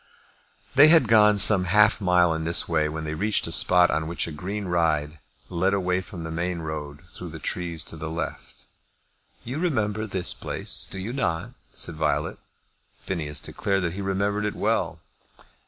They had gone on some half mile in this way when they reached a spot on which a green ride led away from the main road through the trees to the left. "You remember this place, do you not?" said Violet. Phineas declared that he remembered it well.